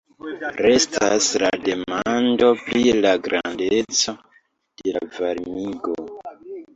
Restas la demando pri la grandeco de la varmigo.